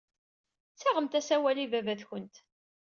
Ttaɣemt-as awal i baba-twent.